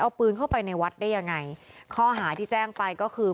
เอาปืนเข้าไปในวัดได้ยังไงข้อหาที่แจ้งไปก็คือ